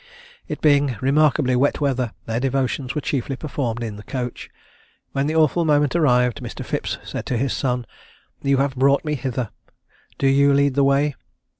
It being remarkably wet weather, their devotions were chiefly performed in the coach. When the awful moment arrived, Mr. Phipps said to his son, "You have brought me hither; do you lead the way!"